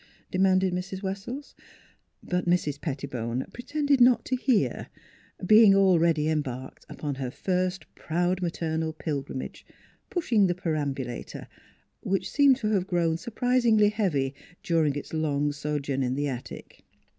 " demanded Mrs. Wessells. But Mrs. Pettibone pretended not to hear, being already embarked upon her first proud maternal pilgrimage, pushing the perambulator, which seemed to have grown surprisingly heavy during its long sojourn in the attic.